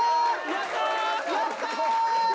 やったー！